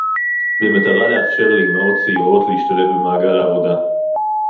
במטרה לאפשר לאמהות צעירות להשתלב במעגל העבודה